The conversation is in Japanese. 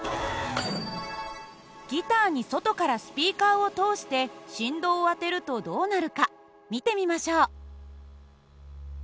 ギターに外からスピーカーを通して振動を当てるとどうなるか見てみましょう。